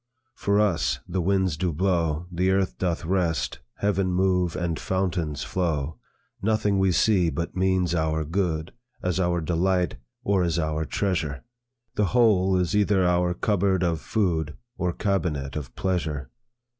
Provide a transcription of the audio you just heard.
"For us, the winds do blow, The earth doth rest, heaven move, and fountains flow; Nothing we see, but means our good, As our delight, or as our treasure; The whole is either our cupboard of food, Or cabinet of pleasure.